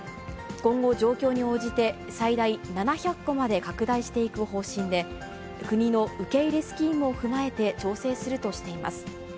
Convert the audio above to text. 今後、状況に応じて最大７００戸まで拡大していく方針で、国の受け入れスキームを踏まえて調整するとしています。